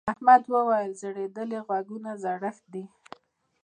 احمد وويل: ځړېدلي غوږونه زړښت دی.